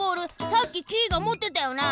さっきキイがもってたよな？